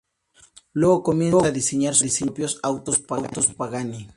Luego comienza a diseñar sus propios autos Pagani.